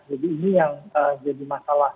jadi ini yang jadi masalah